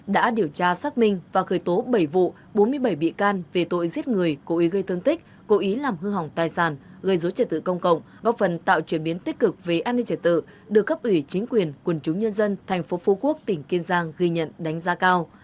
đã điều tra xác minh và khởi tố bảy vụ bốn mươi bảy bị can về tội giết người cố ý gây thương tích cố ý làm hư hỏng tài sản gây dối trật tự công cộng góp phần tạo chuyển biến tích cực về an ninh trật tự được cấp ủy chính quyền quần chúng nhân dân tp phú quốc tỉnh kiên giang ghi nhận đánh giá cao